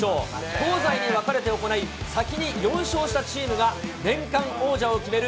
東西に分かれて行い、先に４勝したチームが年間王者を決める